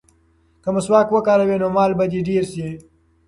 که مسواک وکاروې نو مال به دې ډېر شي.